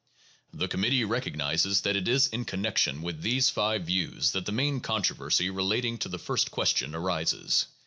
The committee recognizes that it is in connection with these five views that the main controversy relating to the first question arises.